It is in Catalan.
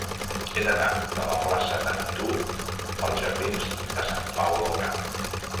He d'anar de la plaça de Neptú als jardins de Sant Pau del Camp.